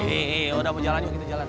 hei hei udah mau jalan kita jalan